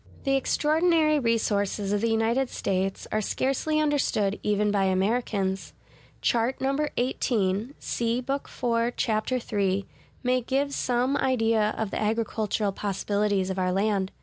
The extraordinary resources of the United States are scarcely understood even by Americans. Chart No. XVIII (see Book IV, Chap. III) may give some idea of the agricultural possibilities of our land.